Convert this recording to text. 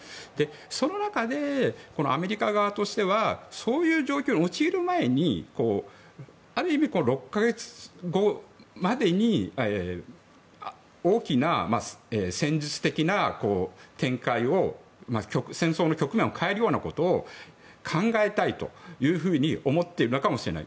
その中で、アメリカ側としてはそういう状況に陥る前にある意味、６か月後までに大きな戦術的な展開を戦争の局面を変えるようなことを考えたいというふうに思っているのかもしれない。